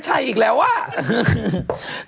ใช่อีกแล้วคือ